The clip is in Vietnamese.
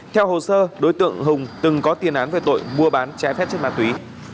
theo hồ sơ đối tượng hùng từng có tiền án về tội mua bán trái phép chất ma túy